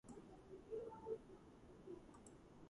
ერთადერთი შესასვლელი შენობას დასავლეთიდან აქვს.